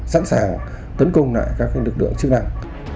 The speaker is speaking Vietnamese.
sẵn sàng tấn công lại các lực lượng chức năng